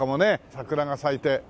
桜が咲いて。